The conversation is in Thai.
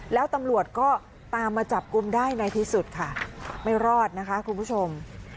แล้วตำรวจก็ตามมาจับกลุ่มได้ในที่สุดค่ะไม่รอดนะคะคุณผู้ชม